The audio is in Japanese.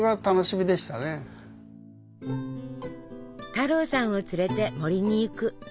太郎さんを連れて森に行く。